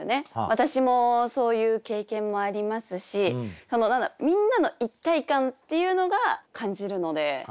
私もそういう経験もありますしみんなの一体感っていうのが感じるので選ばせて頂きました。